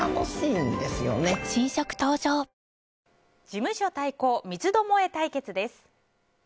事務所対抗三つどもえ対決です。